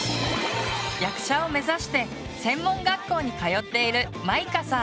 役者を目指して専門学校に通っているまいかさん。